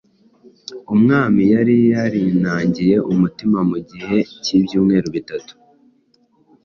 Umwami yari yarinangiye umutima mu gihe cy’ibyumweru bitatu